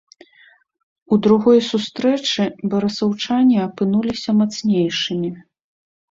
У другой сустрэчы барысаўчане апынуліся мацнейшымі.